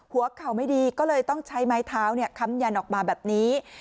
หัวเข่าไม่ดีก็เลยต้องใช้ไม้เท้าค้ำยันออกมาแบบนี้